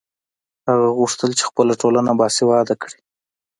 هغه غوښتل چې خپله ټولنه باسواده کړي.